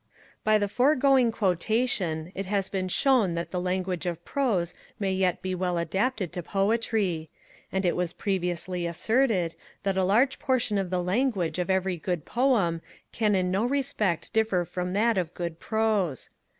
By the foregoing quotation it has been shown that the language of Prose may yet be well adapted to Poetry; and it was previously asserted, that a large portion of the language of every good poem can in no respect differ from that of good Prose.